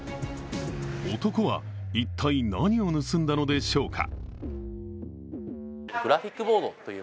男は一体、何を盗んだのでしょうか